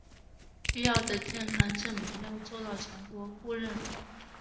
必要的健康证明要做到全国互认